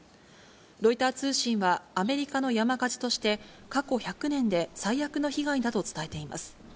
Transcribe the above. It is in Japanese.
ロイター通信は、アメリカの山火事として、過去１００年で最悪の被害だと伝えています。